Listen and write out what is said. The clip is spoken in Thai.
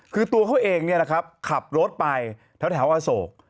คือตัวเขาเองเนี่ยนะครับขับรถไปแถวแถวอโสร์